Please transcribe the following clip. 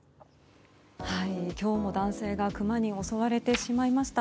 今日も男性がクマに襲われてしまいました。